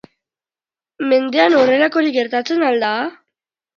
Mendean horrelakorik gertatzen al da?